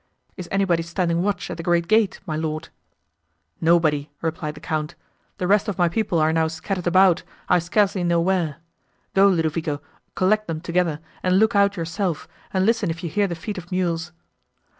Is anybody standing watch at the great gate, my Lord?" "Nobody," replied the Count; "the rest of my people are now scattered about, I scarcely know where. Go, Ludovico, collect them together, and look out yourself, and listen if you hear the feet of mules."